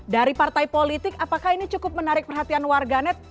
dari partai politik apakah ini cukup menarik perhatian warganet